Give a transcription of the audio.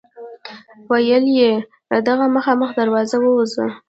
ویل یې له دغه مخامخ دروازه ووځه.